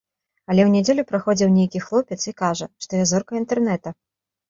Але ў нядзелю праходзіў нейкі хлопец і кажа, што я зорка інтэрнэта.